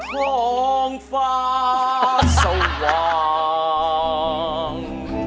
ห้องฟ้าสว่าง